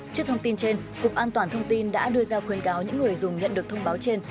trước thông tin trên cục an toàn thông tin đã đưa ra khuyên cáo những người dùng nhận được thông báo trên